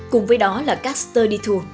cùng với đó là các study tour